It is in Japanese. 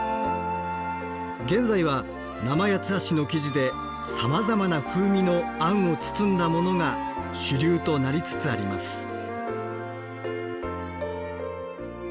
現在は生八ツ橋の生地でさまざまな風味のあんを包んだモノが主流となりつつあります。